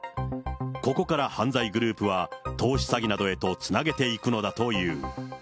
ここから犯罪グループは、投資詐欺などへとつなげていくのだという。